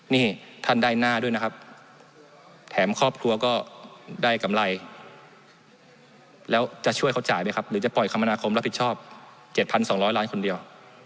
นี่ท่านได้หน้าด้วยนะครับแถมครอบครัวก็ได้กำไรแล้วจะช่วยเขาจ่ายไหมครับหรือจะปล่อยคมนาคมรับผิดชอบ๗๒๐๐ล้านคนเดียว